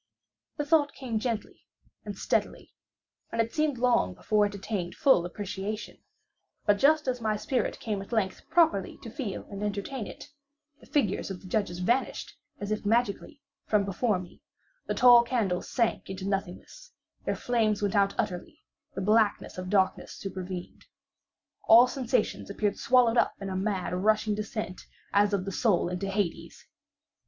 The thought came gently and stealthily, and it seemed long before it attained full appreciation; but just as my spirit came at length properly to feel and entertain it, the figures of the judges vanished, as if magically, from before me; the tall candles sank into nothingness; their flames went out utterly; the blackness of darkness supervened; all sensations appeared swallowed up in a mad rushing descent as of the soul into Hades.